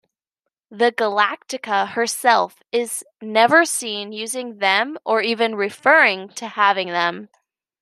The "Galactica" herself is never seen using them or even referring to having them.